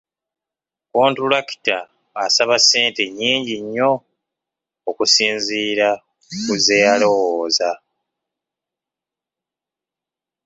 Kontulakita asaba ssente nyingi nnyo okusinzira ku ze yalowoza.